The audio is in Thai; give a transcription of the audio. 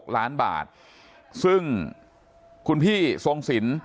ล้านบาทซึ่งคุณพี่ทรงสิน